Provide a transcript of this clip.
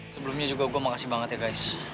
sebelumnya juga gue makasih banget ya guys